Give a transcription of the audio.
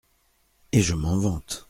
Et je m’en vante…